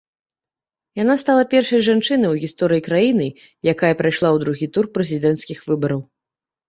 Яна стала першай жанчынай у гісторыі краіны, якая прайшла ў другі тур прэзідэнцкіх выбараў.